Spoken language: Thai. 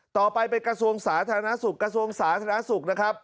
ต่อไปเป็นกระทรวงสาธารณสุขกระทรวงสาธารณสุขนะครับ